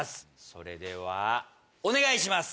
それではお願いします！